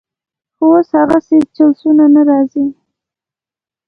خو اوس هغسې جلوسونه نه راځي.